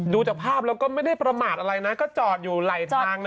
ดูจากภาพแล้วก็ไม่ได้ประมาทอะไรนะก็จอดอยู่ไหลทางนะ